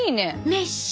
メッシュ。